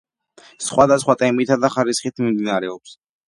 სხვადასხვა ტემპითა და ხარისხით მიმდინარეობს.